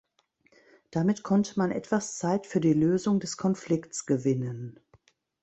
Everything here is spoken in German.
Damit konnte man etwas Zeit für die Lösung des Konflikts gewinnen.